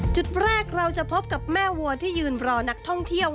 จุดแรกเราจะพบกับแม่วัวที่ยืนรอนักท่องเที่ยว